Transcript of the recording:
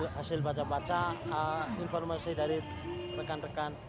hasil baca baca informasi dari rekan rekan